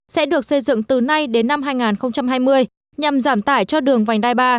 sẽ được xây dựng từ nay đến năm hai nghìn hai mươi nhằm giảm tải cho đường vành đai ba